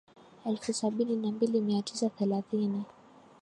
elfu sabini na mbili mia tisa thelathini